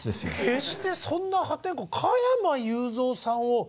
決してそんな破天荒加山雄三さんを。